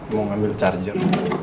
mau ngambil charger